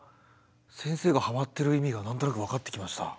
先生がはまっている意味が何となく分かってきました。